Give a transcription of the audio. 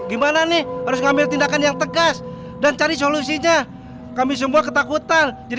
gimana nih harus ngambil tindakan yang tegas dan cari solusinya kami semua ketakutan jadi